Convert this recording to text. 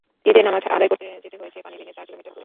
ঈদের নামাজ আদায় করতে যেতে হয়েছে পানি ভেঙে চার কিলোমিটার দূরে।